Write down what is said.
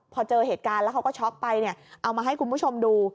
พอเจอเหตุการณ์แล้วเขาก็ช็อกไปเนี่ยเอามาให้คุณผู้ชมดู